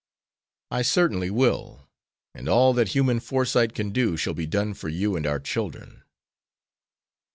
"I certainly will, and all that human foresight can do shall be done for you and our children."